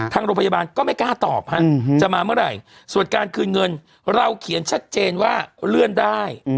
ทางโรงพยาบาลก็ไม่กล้าตอบฮะจะมาเมื่อไหร่ส่วนการคืนเงินเราเขียนชัดเจนว่าเลื่อนได้